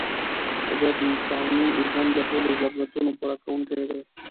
طبیعت د انساني ژوند د ټولو ضرورتونو پوره کوونکی دی.